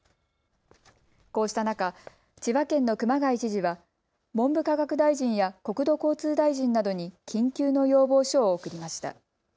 こうした中、千葉県の熊谷知事は文部科学大臣や国土交通大臣などに緊急の要望書を送りました。